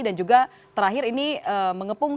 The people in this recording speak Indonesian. dan juga terakhir ini mengepung